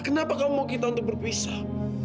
kenapa kamu mau kita untuk berpisah